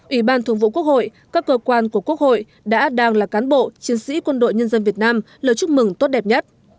ủy ban thường vụ quốc hội các cơ quan của quốc hội đã đang là cán bộ chiến sĩ quân đội nhân dân việt nam lời chúc mừng tốt đẹp nhất